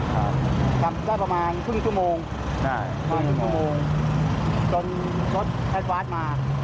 ครับจำได้ประมาณครึ่งชั่วโมงได้ห้าชั่วโมงจนรถแท็กวาสมา